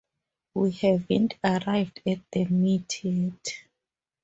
We haven't arrived at the meet yet.